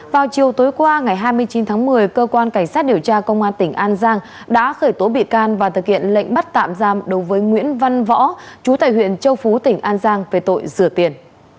vào chiều tối qua ngày hai mươi chín tháng một mươi cơ quan cảnh sát điều tra công an tỉnh an giang đã khởi tố bị can và thực hiện lệnh bắt tạm giam đối với nguyễn văn võ chú tại huyện châu phú tỉnh an giang về tội rửa tiền